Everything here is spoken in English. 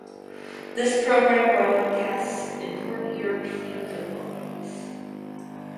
This program broadcasts important European football games.